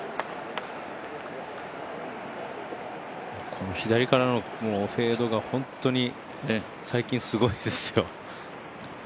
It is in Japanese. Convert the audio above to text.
この左からのフェードが本当に最近すごいですよ。